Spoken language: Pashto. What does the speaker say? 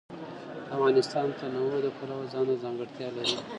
افغانستان د تنوع د پلوه ځانته ځانګړتیا لري.